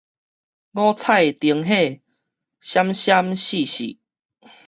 五彩的燈火閃閃爍爍